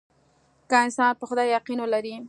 که انسان په خدای يقين ولري.